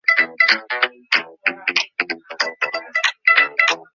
আধুনিক কালের এই-সমস্ত বিপরীত ব্যাপারে হরিমোহিনী সম্পূর্ণ হতবুদ্ধি হইয়া গেলেন।